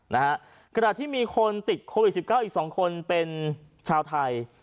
และกระดาษที่มีคนติดโควิด๑๙อีกสองคนเป็นชาวไทย